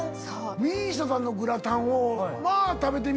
ＭＩＳＩＡさんのグラタンをまぁ食べてみ？